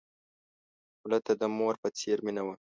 مړه ته د مور په څېر مینه وه